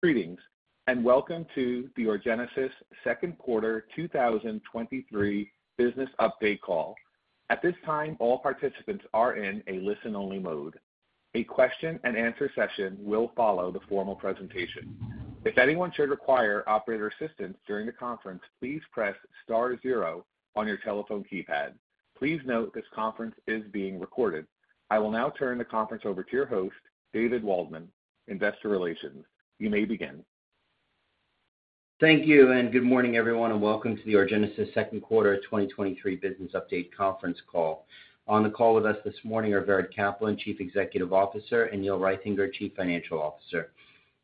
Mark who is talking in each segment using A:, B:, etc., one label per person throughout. A: Greetings. Welcome to the Orgenesis Second Quarter 2023 Business Update Call. At this time, all participants are in a listen-only mode. A question-and-answer session will follow the formal presentation. If anyone should require operator assistance during the conference, please press star 0 on your telephone keypad. Please note, this conference is being recorded. I will now turn the conference over to your host, David Waldman, Investor Relations. You may begin.
B: Thank you, good morning, everyone, and welcome to the Orgenesis Second Quarter of 2023 Business Update Conference Call. On the call with us this morning are Vered Caplan, Chief Executive Officer, and Neil Reithinger, Chief Financial Officer.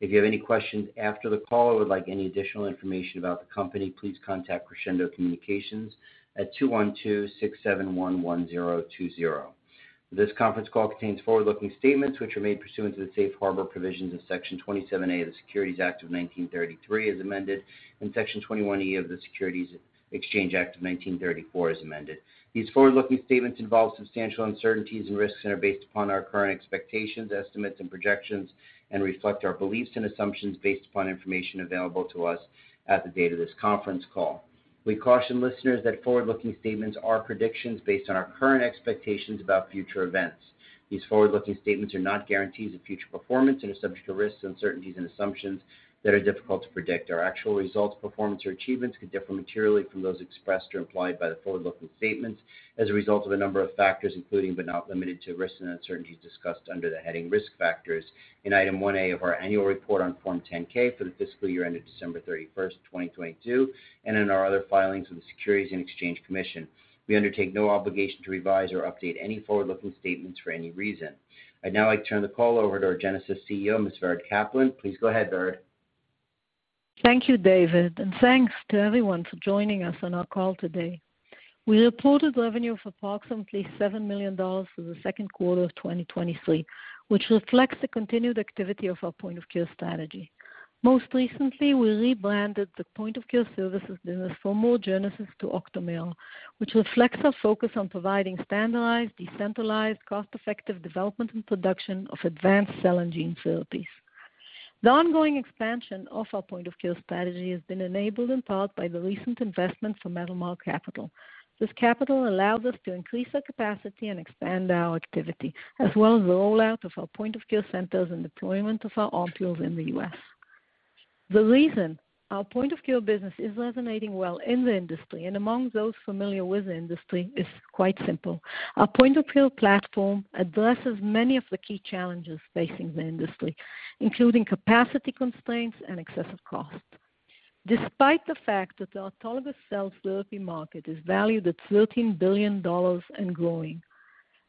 B: If you have any questions after the call or would like any additional information about the company, please contact Crescendo Communications at 212-671-1020. This conference call contains forward-looking statements, which are made pursuant to the safe harbor provisions of Section 27A of the Securities Act of 1933 as amended, and Section 21E of the Securities Exchange Act of 1934 as amended. These forward-looking statements involve substantial uncertainties and risks and are based upon our current expectations, estimates, and projections and reflect our beliefs and assumptions based upon information available to us at the date of this conference call. We caution listeners that forward-looking statements are predictions based on our current expectations about future events. These forward-looking statements are not guarantees of future performance and are subject to risks, uncertainties, and assumptions that are difficult to predict. Our actual results, performance, or achievements could differ materially from those expressed or implied by the forward-looking statements as a result of a number of factors, including but not limited to, risks and uncertainties discussed under the heading Risk Factors in Item 1A of our annual report on Form 10-K for the fiscal year ended December 31st, 2022, and in our other filings with the Securities and Exchange Commission. We undertake no obligation to revise or update any forward-looking statements for any reason. I'd now like to turn the call over to Orgenesis CEO, Ms. Vered Caplan. Please go ahead, Vered.
C: Thank you, David, thanks to everyone for joining us on our call today. We reported revenue of approximately $7 million for the second quarter of 2023, which reflects the continued activity of our point-of-care strategy. Most recently, we rebranded the point-of-care services business from Orgenesis to Octomera, which reflects our focus on providing standardized, decentralized, cost-effective development and production of advanced cell and gene therapies. The ongoing expansion of our point-of-care strategy has been enabled in part by the recent investment from Metalmark Capital. This capital allowed us to increase our capacity and expand our activity, as well as the rollout of our point-of-care centers and deployment of our OMPULs in the US. The reason our point-of-care business is resonating well in the industry and among those familiar with the industry is quite simple. Our point-of-care platform addresses many of the key challenges facing the industry, including capacity constraints and excessive costs. Despite the fact that the autologous cell therapy market is valued at $13 billion and growing,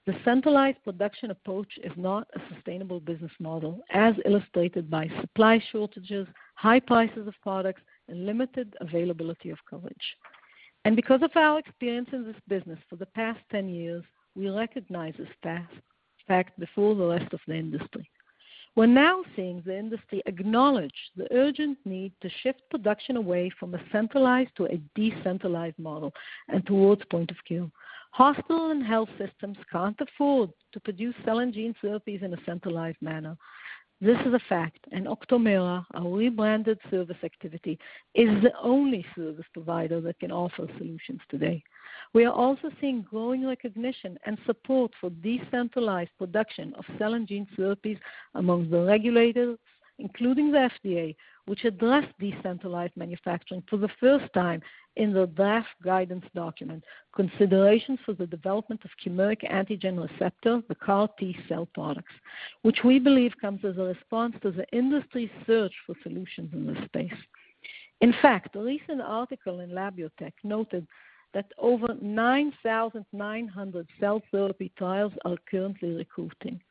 C: the centralized production approach is not a sustainable business model, as illustrated by supply shortages, high prices of products, and limited availability of coverage. Because of our experience in this business for the past 10 years, we recognize this fact before the rest of the industry. We're now seeing the industry acknowledge the urgent need to shift production away from a centralized to a decentralized model and towards point-of-care. Hospital and health systems can't afford to produce cell and gene therapies in a centralized manner. This is a fact. Octomera, our rebranded service activity, is the only service provider that can offer solutions today. We are also seeing growing recognition and support for decentralized production of cell and gene therapies among the regulators, including the FDA, which addressed decentralized manufacturing for the first time in the draft guidance document, Considerations for the Development of Chimeric Antigen Receptor, the CAR T-cell products, which we believe comes as a response to the industry's search for solutions in this space. In fact, a recent article in Labiotech noted that over 9,900 cell therapy trials are currently recruiting.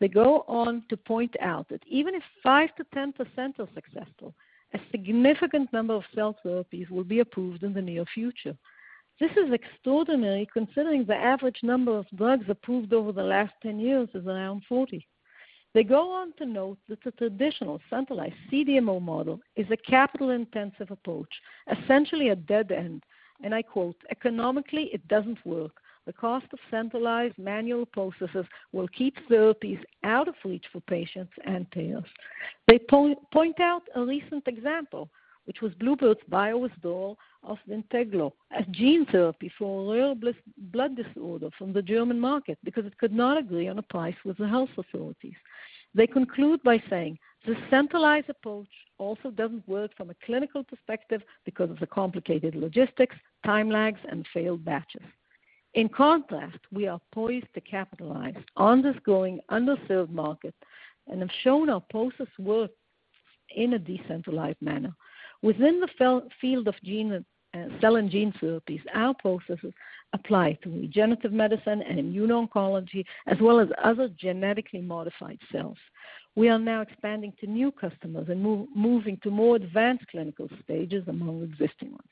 C: They go on to point out that even if 5%-10% are successful, a significant number of cell therapies will be approved in the near future. This is extraordinary, considering the average number of drugs approved over the last 10 years is around 40. They go on to note that the traditional centralized CDMO model is a capital-intensive approach, essentially a dead end, and I quote, "Economically, it doesn't work. The cost of centralized manual processes will keep therapies out of reach for patients and payers." They point out a recent example, which was bluebird bio withdrawal of the ZYNTEGLO, a gene therapy for a rare blood disorder from the German market because it could not agree on a price with the health authorities. They conclude by saying, the centralized approach also doesn't work from a clinical perspective because of the complicated logistics, time lags, and failed batches. In contrast, we are poised to capitalize on this growing underserved market and have shown our process works in a decentralized manner. Within the field of gene, cell and gene therapies, our processes apply to regenerative medicine and immuno-oncology, as well as other genetically modified cells. We are now expanding to new customers and moving to more advanced clinical stages among existing ones.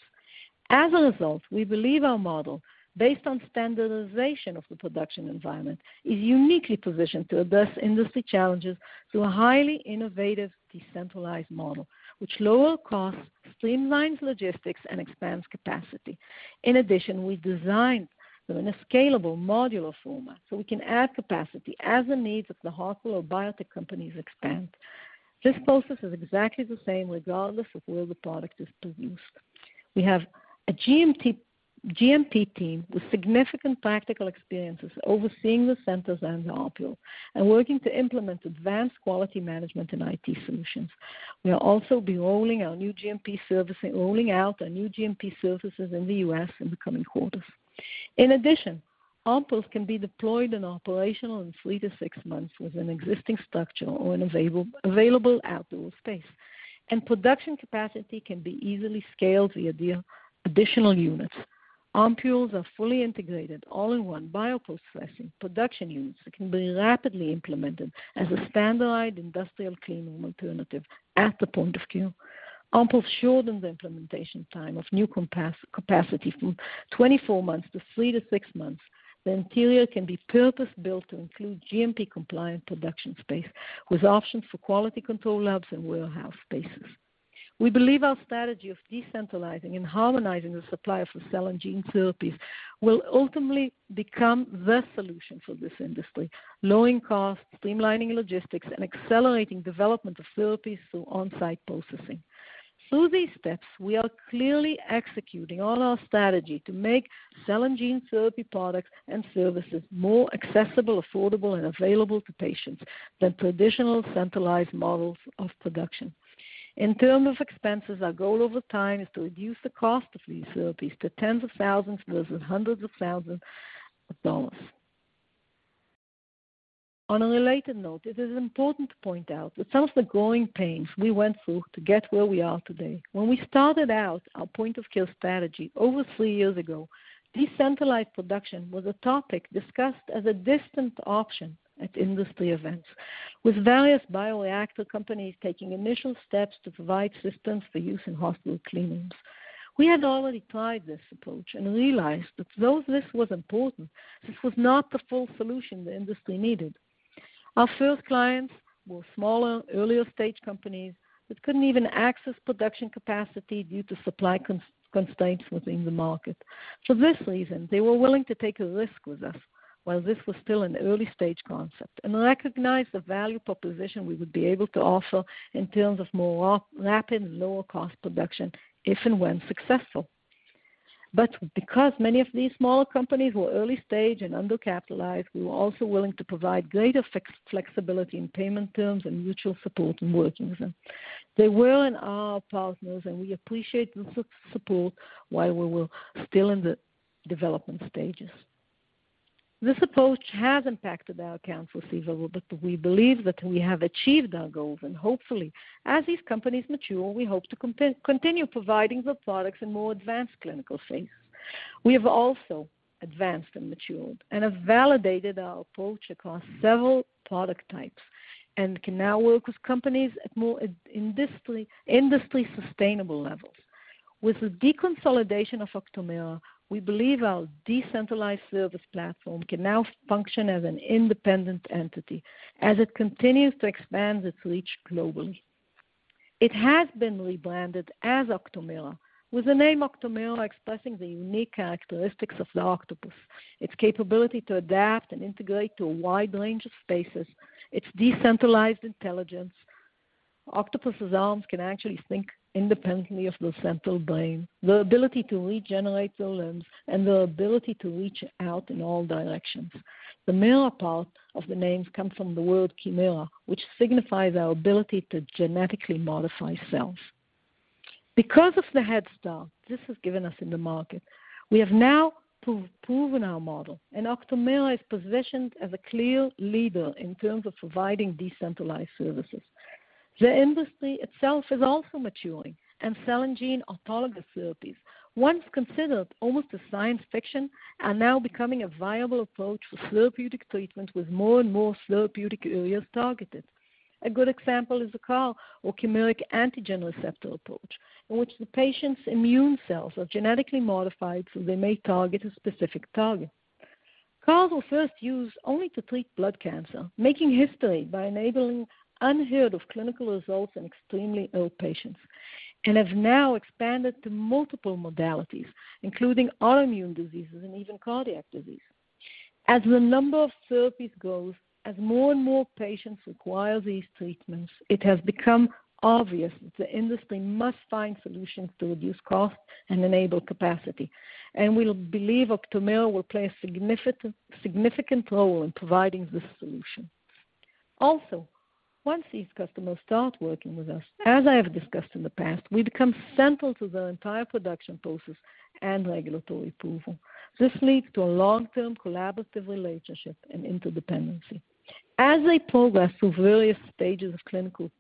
C: As a result, we believe our model, based on standardization of the production environment, is uniquely positioned to address industry challenges through a highly innovative, decentralized model, which lower costs, streamlines logistics, and expands capacity. In addition, we designed them in a scalable modular format, so we can add capacity as the needs of the hospital or biotech companies expand. This process is exactly the same, regardless of where the product is produced. We have a GMP team with significant practical experiences overseeing the centers and the OMPULs, and working to implement advanced quality management and IT solutions. We'll also be rolling out our new GMP services in the US in the coming quarters. In addition, OMPULs can be deployed and operational in 3-6 months with an existing structure or an available outdoor space, and production capacity can be easily scaled via the additional units. OMPULs are fully integrated, all-in-one bioprocessing production units that can be rapidly implemented as a standardized industrial clean room alternative at the point-of-care. OMPULs shorten the implementation time of new capacity from 24 months to 3-6 months. The interior can be purpose-built to include GMP-compliant production space, with options for quality control labs and warehouse spaces. We believe our strategy of decentralizing and harmonizing the supply of cell and gene therapies will ultimately become the solution for this industry, lowering costs, streamlining logistics, and accelerating development of therapies through on-site processing. Through these steps, we are clearly executing on our strategy to make cell and gene therapy products and services more accessible, affordable, and available to patients than traditional centralized models of production. In terms of expenses, our goal over time is to reduce the cost of these therapies to tens of thousands versus hundreds of thousands of dollars. On a related note, it is important to point out that some of the growing pains we went through to get where we are today. When we started out our point-of-care strategy over three years ago, decentralized production was a topic discussed as a distant option at industry events, with various bioreactor companies taking initial steps to provide systems for use in hospital clean rooms. We had already tried this approach and realized that though this was important, this was not the full solution the industry needed. Our first clients were smaller, earlier-stage companies that couldn't even access production capacity due to supply constraints within the market. For this reason, they were willing to take a risk with us while this was still an early-stage concept, and recognized the value proposition we would be able to offer in terms of more rapid and lower-cost production, if and when successful. Because many of these smaller companies were early-stage and undercapitalized, we were also willing to provide greater flexibility in payment terms and mutual support in working with them. They were and are our partners, and we appreciate the support while we were still in the development stages. This approach has impacted our accounts receivable, but we believe that we have achieved our goals, and hopefully, as these companies mature, we hope to continue providing the products in more advanced clinical settings. We have also advanced and matured and have validated our approach across several product types and can now work with companies at more industry sustainable levels. With the deconsolidation of Octomera, we believe our decentralized service platform can now function as an independent entity as it continues to expand its reach globally. It has been rebranded as Octomera, with the name Octomera expressing the unique characteristics of the octopus, its capability to adapt and integrate to a wide range of spaces, its decentralized intelligence. Octopus's arms can actually think independently of the central brain, the ability to regenerate their limbs, and the ability to reach out in all directions. The mira part of the name comes from the word chimera, which signifies our ability to genetically modify cells. Because of the head start this has given us in the market, we have now proven our model, and Octomera is positioned as a clear leader in terms of providing decentralized services. The industry itself is also maturing, and cell and gene autologous therapies, once considered almost as science fiction, are now becoming a viable approach for therapeutic treatments, with more and more therapeutic areas targeted. A good example is the CAR, or chimeric antigen receptor approach, in which the patient's immune cells are genetically modified, so they may target a specific target. CARs were first used only to treat blood cancer, making history by enabling unheard-of clinical results in extremely ill patients, and have now expanded to multiple modalities, including autoimmune diseases and even cardiac disease. As the number of therapies grows, as more and more patients require these treatments, it has become obvious that the industry must find solutions to reduce costs and enable capacity, and we believe Octomera will play a significant, significant role in providing this solution. Also, once these customers start working with us, as I have discussed in the past, we become central to their entire production process and regulatory approval. This leads to a long-term collaborative relationship and interdependency. As they progress through various stages of clinical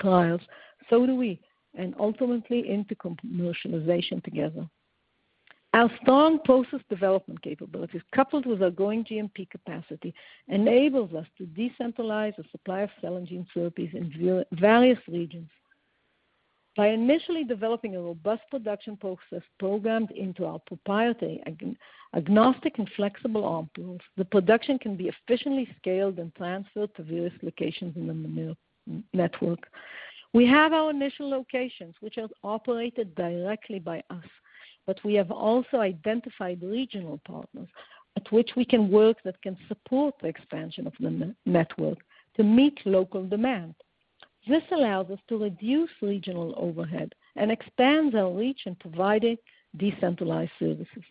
C: trials, so do we, ultimately into commercialization together. Our strong process development capabilities, coupled with our growing GMP capacity, enables us to decentralize the supply of cell and gene therapies in various regions. By initially developing a robust production process programmed into our proprietary agnostic and flexible OMPULs, the production can be efficiently scaled and transferred to various locations in the Octomera network. We have our initial locations, which are operated directly by us, we have also identified regional partners at which we can work, that can support the expansion of the network to meet local demand. This allows us to reduce regional overhead and expand our reach in providing decentralized services.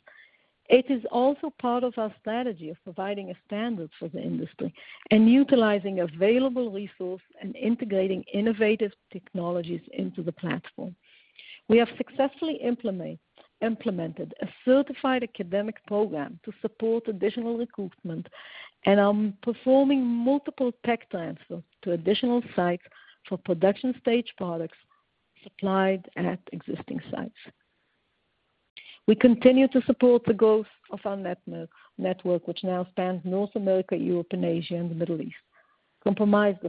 C: It is also part of our strategy of providing a standard for the industry and utilizing available resources and integrating innovative technologies into the platform. We have successfully implemented a certified academic program to support additional recruitment and are performing multiple technology transfer to additional sites for production stage products supplied at existing sites. We continue to support the growth of our network, which now spans North America, Europe, and Asia, and the Middle East, compromised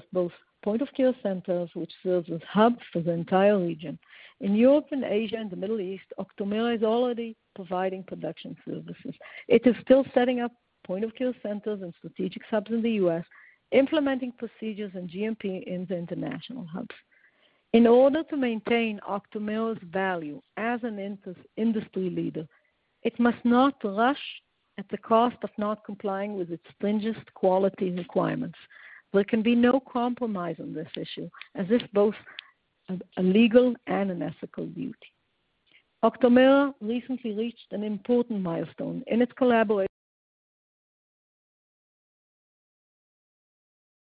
C: of both point-of-care centers, which serves as hubs for the entire region. In Europe and Asia, and the Middle East, Octomera is already providing production services. It is still setting up point-of-care centers and strategic hubs in the US, implementing procedures and GMP in the international hubs. In order to maintain Octomera's value as an industry leader, it must not rush at the cost of not complying with its stringent quality requirements. There can be no compromise on this issue, as this is both a legal and an ethical duty. Octomera recently reached an important milestone in its collaboration.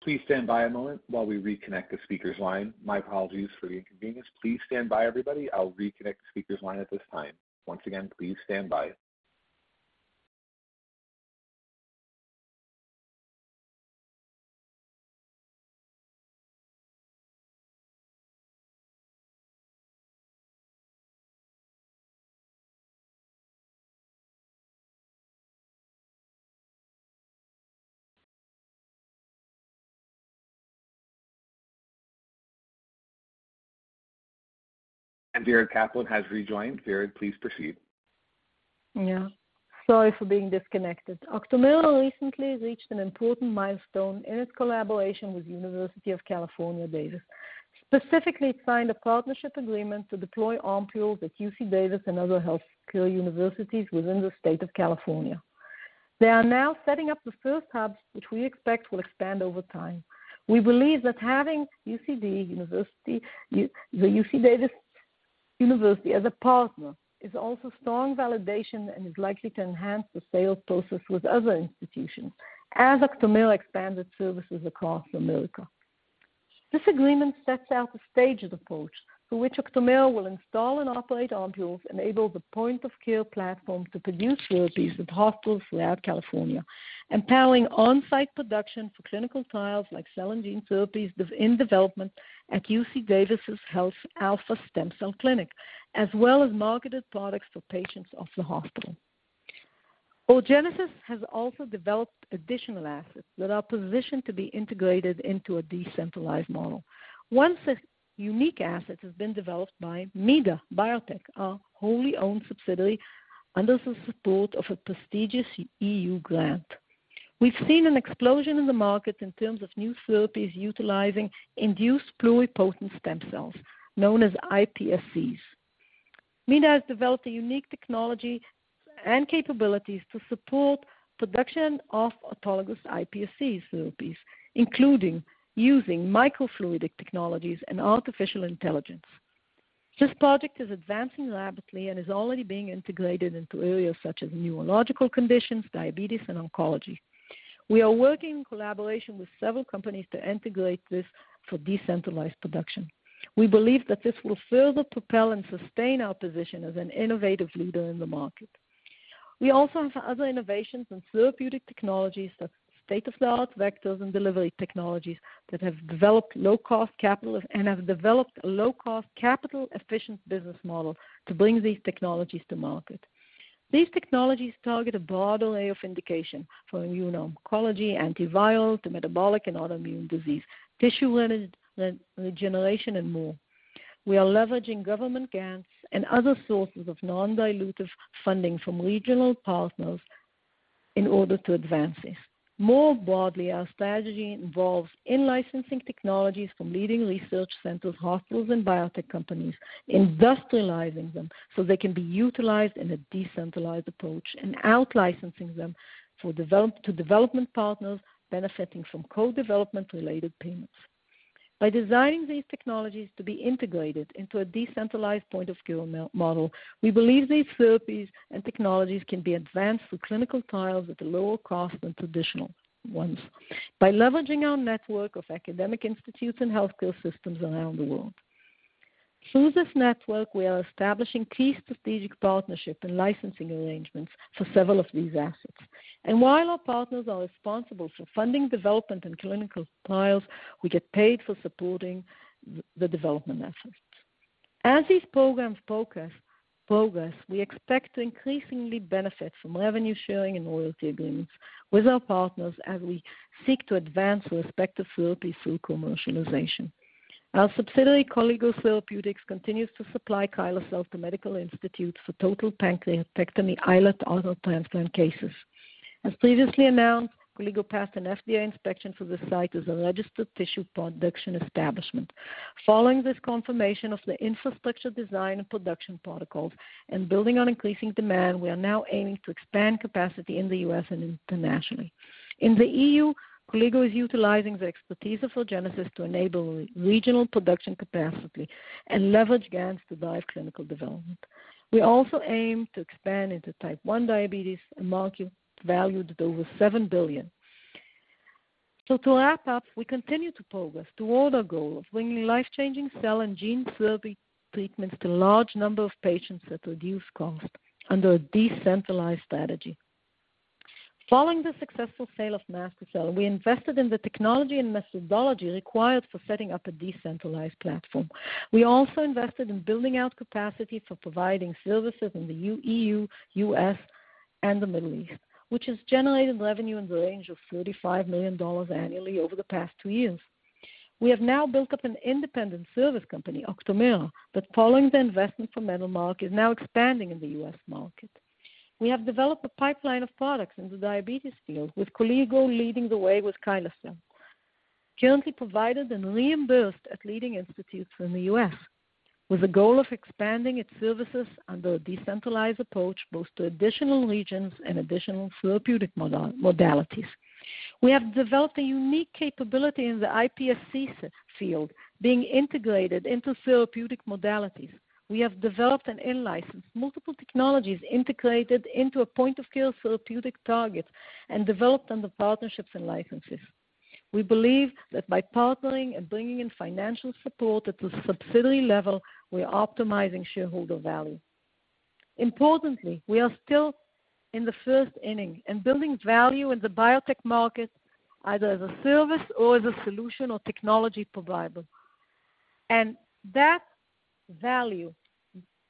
A: Please stand by a moment while we reconnect the speaker's line. My apologies for the inconvenience. Please stand by, everybody. I'll reconnect the speaker's line at this time. Once again, please stand by. Vered Caplan has rejoined. Vered, please proceed.
C: Yeah. Sorry for being disconnected. Octomera recently reached an important milestone in its collaboration with University of California, Davis. Specifically, it signed a partnership agreement to deploy OMPULs at UC Davis and other healthcare universities within the state of California. They are now setting up the first hub, which we expect will expand over time. We believe that having UCD University, the UC Davis University as a partner, is also strong validation and is likely to enhance the sales process with other institutions as Octomera expands its services across America. This agreement sets out a staged approach through which Octomera will install and operate OMPULs, enable the point-of-care platform to produce therapies at hospitals throughout California, empowering on-site production for clinical trials like cell and gene therapies in development at UC Davis's Health Alpha Stem Cell Clinic, as well as marketed products for patients of the hospital. Orgenesis has also developed additional assets that are positioned to be integrated into a decentralized model. One such unique asset has been developed by MIDA Biotech, our wholly-owned subsidiary, under the support of a prestigious EU grant. We've seen an explosion in the market in terms of new therapies utilizing induced pluripotent stem cells, known as iPSCs. MIDA has developed a unique technology and capabilities to support production of autologous iPSCs therapies, including using microfluidic technologies and artificial intelligence. This project is advancing rapidly and is already being integrated into areas such as neurological conditions, diabetes, and oncology. We are working in collaboration with several companies to integrate this for decentralized production. We believe that this will further propel and sustain our position as an innovative leader in the market. We also have other innovations in therapeutic technologies, such state-of-the-art vectors and delivery technologies that have developed low-cost capital and have developed a low-cost, capital-efficient business model to bring these technologies to market. These technologies target a broad array of indications from immuno-oncology, antiviral to metabolic and autoimmune disease, tissue-related regeneration, and more. We are leveraging government grants and other sources of non-dilutive funding from regional partners in order to advance this. More broadly, our strategy involves in-licensing technologies from leading research centers, hospitals, and biotech companies, industrializing them so they can be utilized in a decentralized approach, and out-licensing them to development partners benefiting from co-development-related payments. By designing these technologies to be integrated into a decentralized point-of-care model, we believe these therapies and technologies can be advanced through clinical trials at a lower cost than traditional ones by leveraging our network of academic institutes and healthcare systems around the world. Through this network, we are establishing key strategic partnership and licensing arrangements for several of these assets. While our partners are responsible for funding, development, and clinical trials, we get paid for supporting the development efforts. As these programs progress, we expect to increasingly benefit from revenue sharing and royalty agreements with our partners as we seek to advance the respective therapies through commercialization. Our subsidiary, Koligo Therapeutics, continues to supply KYSLECEL to medical institutes for total pancreatectomy with islet autotransplantation cases. As previously announced, Koligo passed an FDA inspection for the site as a registered tissue production establishment. Following this confirmation of the infrastructure design and production protocols, building on increasing demand, we are now aiming to expand capacity in the US and internationally. In the EU, Koligo is utilizing the expertise of Regenesis to enable regional production capacity and leverage grants to drive clinical development. We also aim to expand into Type 1 diabetes, a market valued at over $7 billion. To wrap up, we continue to progress toward our goal of bringing life-changing cell and gene therapy treatments to large number of patients at reduced cost under a decentralized strategy. Following the successful sale of MaSTherCell, we invested in the technology and methodology required for setting up a decentralized platform. We also invested in building out capacity for providing services in the EU, U.S., and the Middle East, which has generated revenue in the range of $35 million annually over the past 2 years. We have now built up an independent service company, Octomera, that following the investment from Metalmark, is now expanding in the U.S. market. We have developed a pipeline of products in the diabetes field, with Koligo leading the way with KYSLECEL, currently provided and reimbursed at leading institutes in the U.S., with the goal of expanding its services under a decentralized approach, both to additional regions and additional therapeutic modalities. We have developed a unique capability in the iPSCs field, being integrated into therapeutic modalities. We have developed and in-licensed multiple technologies integrated into a point-of-care therapeutic target and developed under partnerships and licenses. We believe that by partnering and bringing in financial support at the subsidiary level, we are optimizing shareholder value. Importantly, we are still in the first inning and building value in the biotech market, either as a service or as a solution or technology provider. That value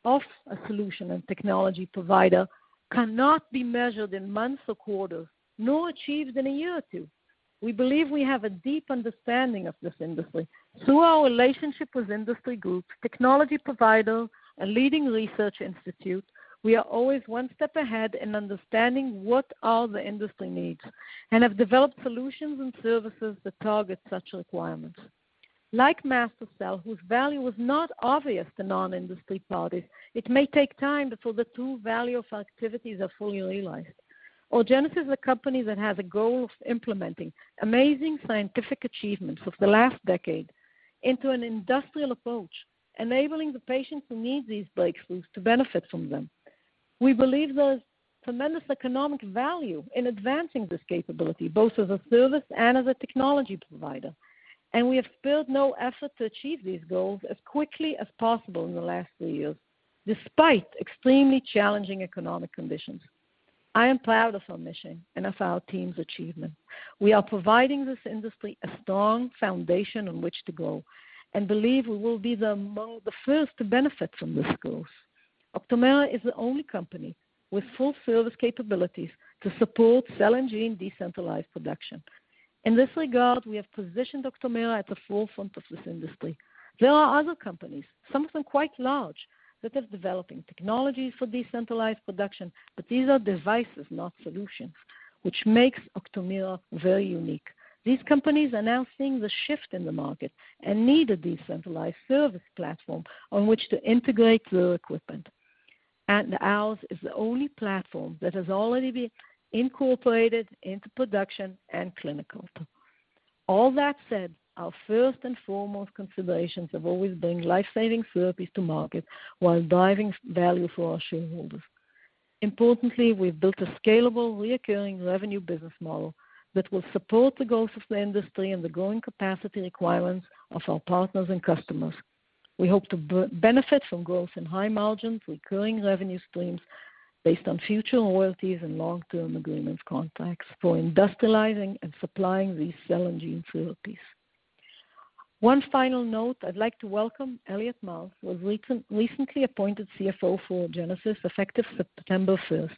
C: of a solution and technology provider cannot be measured in months or quarters, nor achieved in a year or two. We believe we have a deep understanding of this industry. Through our relationship with industry groups, technology providers, and leading research institutes, we are always one step ahead in understanding what are the industry needs, and have developed solutions and services that target such requirements. Like MaSTherCell, whose value was not obvious to non-industry parties, it may take time before the true value of our activities are fully realized. Regenesis is a company that has a goal of implementing amazing scientific achievements of the last decade into an industrial approach, enabling the patients who need these breakthroughs to benefit from them. We believe there's tremendous economic value in advancing this capability, both as a service and as a technology provider, and we have spared no effort to achieve these goals as quickly as possible in the last 3 years, despite extremely challenging economic conditions. I am proud of our mission and of our team's achievements. We are providing this industry a strong foundation on which to grow and believe we will be among the first to benefit from this growth. Octomera is the only company with full service capabilities to support cell and gene decentralized production. In this regard, we have positioned Octomera at the forefront of this industry. There are other companies, some of them quite large, that are developing technologies for decentralized production, but these are devices, not solutions, which makes Octomera very unique. These companies are now seeing the shift in the market and need a decentralized service platform on which to integrate their equipment. Ours is the only platform that has already been incorporated into production and clinicals. All that said, our first and foremost considerations have always been life-saving therapies to market while driving value for our shareholders. Importantly, we've built a scalable, reoccurring revenue business model that will support the goals of the industry and the growing capacity requirements of our partners and customers. We hope to benefit from growth in high margins, recurring revenue streams based on future royalties and long-term agreement contracts for industrializing and supplying these cell and gene therapies. One final note, I'd like to welcome Elliot Maltz, who was recently appointed CFO for Orgenesis, effective September 1st.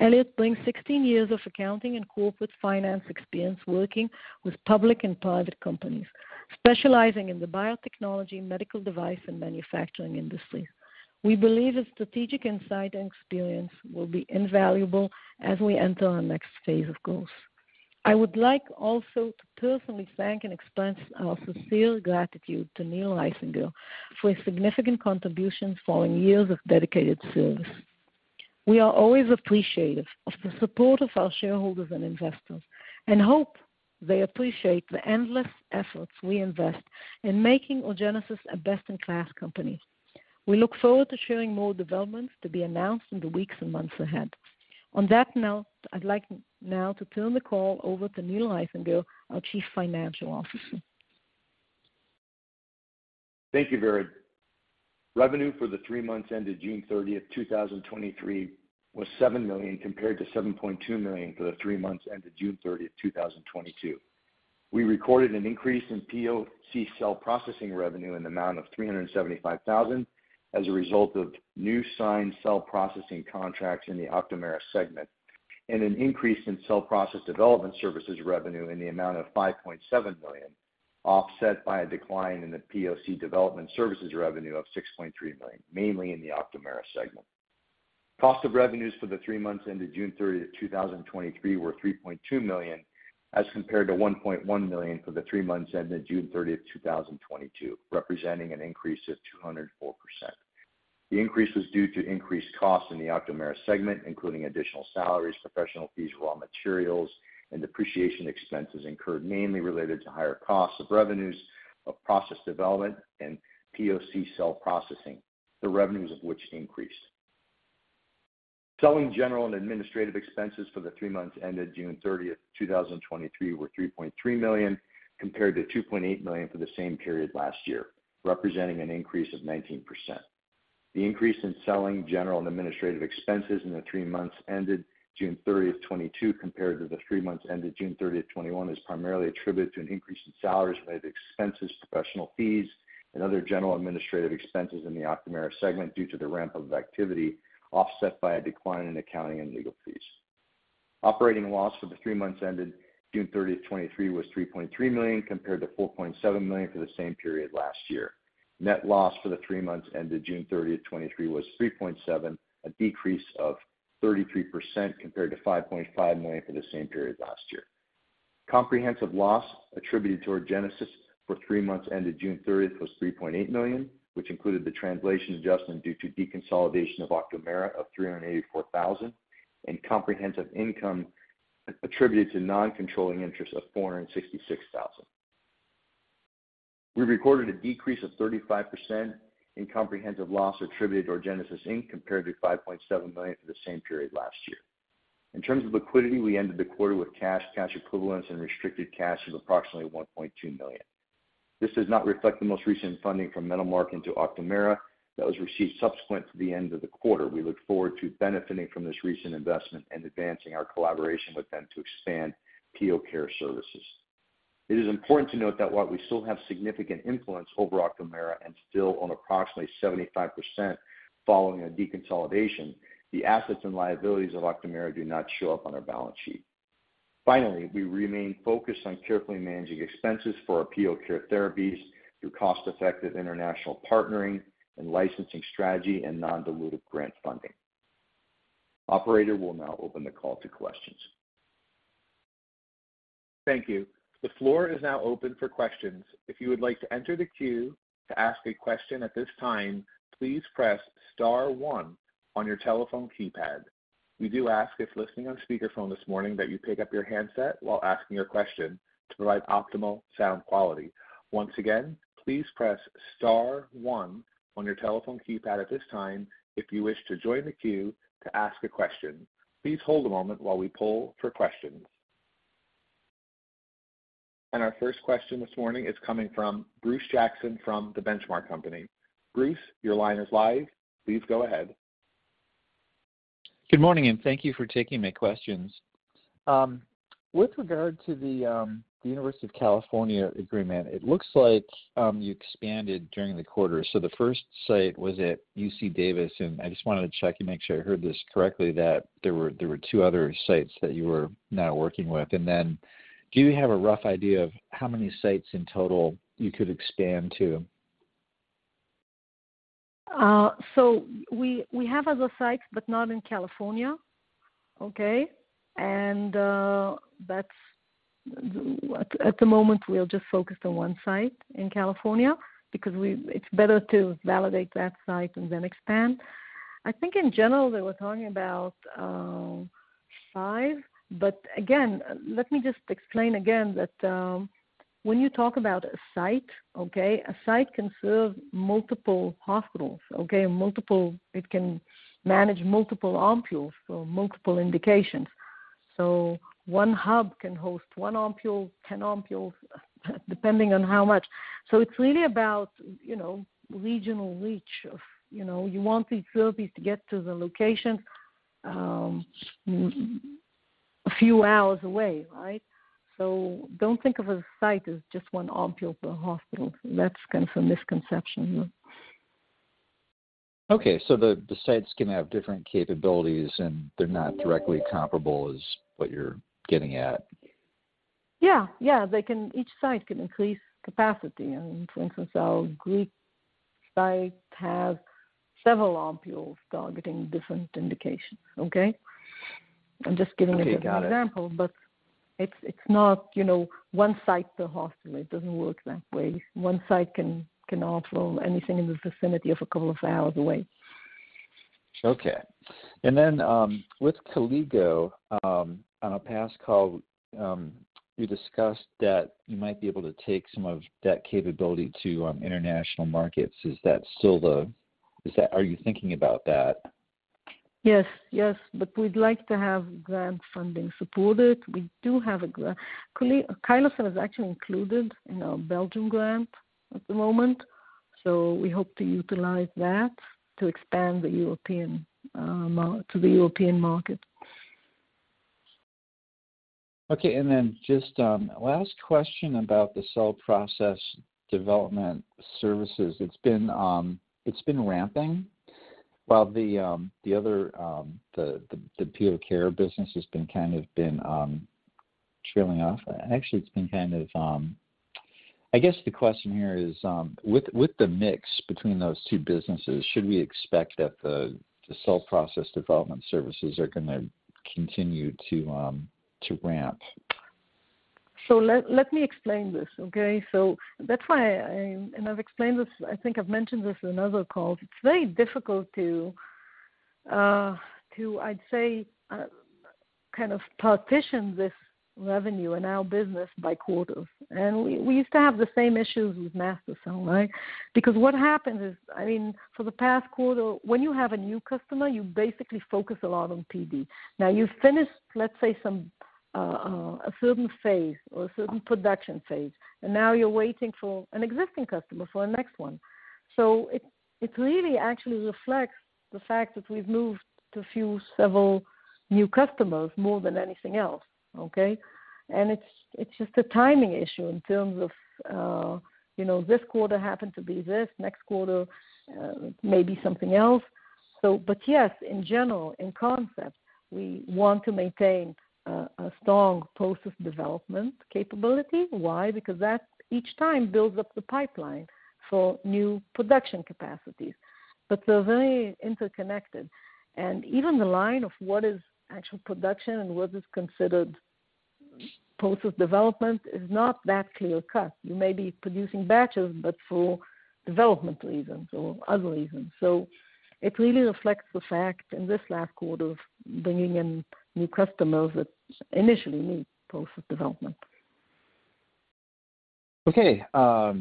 C: Elliot brings 16 years of accounting and corporate finance experience working with public and private companies, specializing in the biotechnology, medical device, and manufacturing industries. We believe his strategic insight and experience will be invaluable as we enter our next phase of growth. I would like also to personally thank and express our sincere gratitude to Neil Reithinger for his significant contributions following years of dedicated service. We are always appreciative of the support of our shareholders and investors, and hope they appreciate the endless efforts we invest in making Orgenesis a best-in-class company. We look forward to sharing more developments to be announced in the weeks and months ahead. On that note, I'd like now to turn the call over to Neil Reithinger, our Chief Financial Officer.
D: Thank you, Vered Caplan. Revenue for the three months ended June 30, 2023 was $7 million, compared to $7.2 million for the three months ended June 30, 2022. We recorded an increase in POC cell processing revenue in the amount of $375,000 as a result of new signed cell processing contracts in the Octomera segment, and an increase in cell process development services revenue in the amount of $5.7 million, offset by a decline in the POC development services revenue of $6.3 million, mainly in the Octomera segment. Cost of revenues for the three months ended June 30, 2023 were $3.2 million, as compared to $1.1 million for the three months ended June 30, 2022, representing an increase of 204%. The increase was due to increased costs in the Octomera segment, including additional salaries, professional fees, raw materials, and depreciation expenses incurred, mainly related to higher costs of revenues of process development and POC cell processing, the revenues of which increased. Selling, general, and administrative expenses for the three months ended June thirtieth, 2023 were $3.3 million, compared to $2.8 million for the same period last year, representing an increase of 19%. The increase in selling, general, and administrative expenses in the three months ended June thirtieth, 2022, compared to the three months ended June thirtieth, 2021, is primarily attributed to an increase in salaries-related expenses, professional fees, and other general administrative expenses in the Octomera segment due to the ramp of activity, offset by a decline in accounting and legal fees. Operating loss for the three months ended June 30, 2023, was $3.3 million, compared to $4.7 million for the same period last year. Net loss for the three months ended June 30, 2023, was $3.7 million, a decrease of 33% compared to $5.5 million for the same period last year. Comprehensive loss attributed to Orgenesis for three months ended June 30, was $3.8 million, which included the translation adjustment due to deconsolidation of Octomera of $384,000, and comprehensive income attributed to non-controlling interest of $466,000. We recorded a decrease of 35% in comprehensive loss attributed to Orgenesis Inc., compared to $5.7 million for the same period last year. In terms of liquidity, we ended the quarter with cash, cash equivalents, and restricted cash of approximately $1.2 million. This does not reflect the most recent funding from Metalmark into Octomera that was received subsequent to the end of the quarter. We look forward to benefiting from this recent investment and advancing our collaboration with them to expand POC services. It is important to note that while we still have significant influence over Octomera and still own approximately 75% following a deconsolidation, the assets and liabilities of Octomera do not show up on our balance sheet. Finally, we remain focused on carefully managing expenses for our POC therapies through cost-effective international partnering and licensing strategy and non-dilutive grant funding. Operator, we'll now open the call to questions.
A: Thank you. The floor is now open for questions. If you would like to enter the queue to ask a question at this time, please press star one on your telephone keypad. We do ask, if listening on speakerphone this morning, that you pick up your handset while asking your question to provide optimal sound quality. Once again, please press star one on your telephone keypad at this time if you wish to join the queue to ask a question. Please hold a moment while we poll for questions. Our first question this morning is coming from Bruce Jackson from The Benchmark Company. Bruce, your line is live. Please go ahead.
E: Good morning, and thank you for taking my questions. With regard to the University of California agreement, it looks like you expanded during the quarter. The first site was at UC Davis, and I just wanted to check and make sure I heard this correctly, that there were, there were 2 other sites that you were now working with. Do you have a rough idea of how many sites in total you could expand to?
C: So we, we have other sites, but not in California, okay? At the moment, we are just focused on 1 site in California because it's better to validate that site and then expand. I think in general, they were talking about 5. Again, let me just explain again that when you talk about a site, okay, a site can serve multiple hospitals, okay? It can manage multiple OMPULs for multiple indications. One hub can host 1 OMPUL, 10 OMPULs, depending on how much. It's really about, you know, regional reach of, you know, you want these therapies to get to the location, a few hours away, right? Don't think of a site as just 1 OMPUL per hospital. That's kind of a misconception.
E: Okay, the, the sites can have different capabilities, and they're not directly comparable, is what you're getting at?
C: Yeah. Each site can increase capacity. For instance, our Greek site has several OMPULs targeting different indications. Okay? I'm just giving you an example.
E: Okay, got it.
C: It's, it's not, you know, one site per hospital. It doesn't work that way. One site can, can offer anything in the vicinity of a couple of hours away.
E: Okay. Then, with Koligo, on a past call, you discussed that you might be able to take some of that capability to international markets. Is that still? Are you thinking about that?
C: Yes, yes, we'd like to have grant funding support it. We do have a Calixa is actually included in our Belgium grant at the moment, so we hope to utilize that to expand the European, to the European market.
E: Okay, just last question about the cell process development services. It's been, it's been ramping, while the other, the POC business has been kind of been trailing off. Actually, it's been kind of. I guess the question here is, with the mix between those two businesses, should we expect that the cell process development services are gonna continue to ramp?
C: Let me explain this, okay? That's why I've explained this, I think I've mentioned this in another call. It's very difficult to I'd say, kind of partition this revenue in our business by quarters. We used to have the same issues with MaSTherCell, right? What happens is, I mean, for the past quarter, when you have a new customer, you basically focus a lot on PD. Now, you've finished, let's say, some a certain phase or a certain production phase, and now you're waiting for an existing customer for a next one. It really actually reflects the fact that we've moved to few, several new customers more than anything else, okay? It's, it's just a timing issue in terms of, you know, this quarter happened to be this. Next quarter, maybe something else. But yes, in general, in concept, we want to maintain a strong process development capability. Why? Because that each time builds up the pipeline for new production capacities, but they're very interconnected. Even the line of what is actual production and what is considered process development is not that clear cut. You may be producing batches, but for development reasons or other reasons. It really reflects the fact in this last quarter of bringing in new customers that initially need process development.
E: Okay,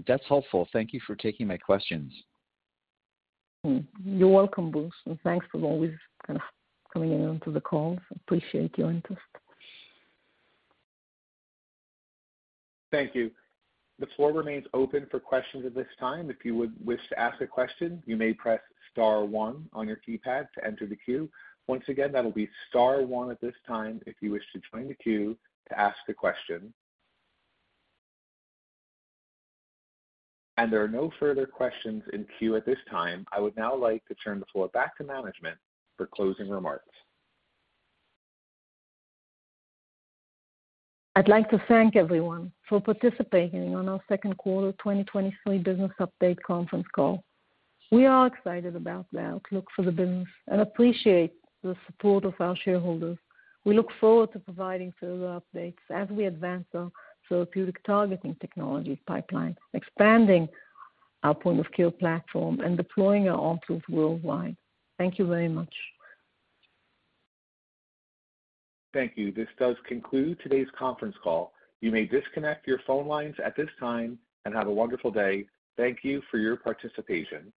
E: that's helpful. Thank you for taking my questions.
C: You're welcome, Bruce, thanks for always kind of coming in to the calls. I appreciate your interest.
A: Thank you. The floor remains open for questions at this time. If you would wish to ask a question, you may press star one on your keypad to enter the queue. Once again, that'll be star one at this time, if you wish to join the queue to ask a question. There are no further questions in queue at this time. I would now like to turn the floor back to management for closing remarks.
C: I'd like to thank everyone for participating on our second quarter 2023 business update conference call. We are excited about the outlook for the business and appreciate the support of our shareholders. We look forward to providing further updates as we advance our therapeutic targeting technologies pipeline, expanding our point-of-care platform, and deploying our OMPULs worldwide. Thank you very much.
A: Thank you. This does conclude today's conference call. You may disconnect your phone lines at this time and have a wonderful day. Thank you for your participation.